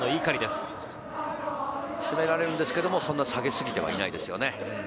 しめられるんですけど、下げすぎてはいないんですね。